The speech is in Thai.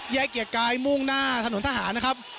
แยก่ะไกล้มุ่งหน้าถนนทหารนะครับ